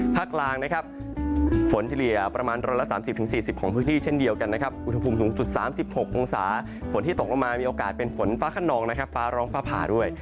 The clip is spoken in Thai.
ภาคกลางนะครับฝนเฉลี่ยประมาณ๑๓๐๔๐ของพื้นที่เช่นเดียวกันนะครับอุณหภูมิสูงสุด๓๖องศาฝนที่ตกลงมามีโอกาสเป็นฝนฟ้าขนองนะครับฟ้าร้องฟ้าผ่าด้วย